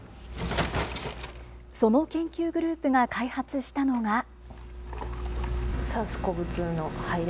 その研究グループが開発したのが。